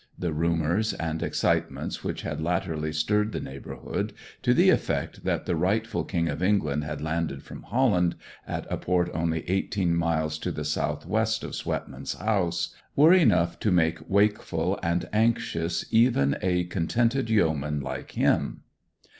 The rumours and excitements which had latterly stirred the neighbourhood, to the effect that the rightful King of England had landed from Holland, at a port only eighteen miles to the south west of Swetman's house, were enough to make wakeful and anxious even a contented yeoman like him.